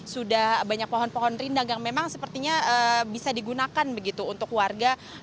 sudah banyak pohon pohon rindang yang memang sepertinya bisa digunakan begitu untuk warga